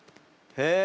へえ！